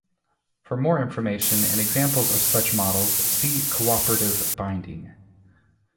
For more information and examples of such models, see Cooperative binding.